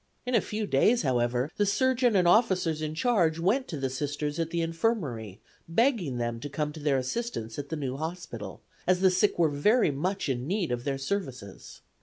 In a few days, however, the surgeon and officers in charge went to the Sisters at the Infirmary, begging them to come to their assistance at the new hospital, as the sick were very much in need of their services.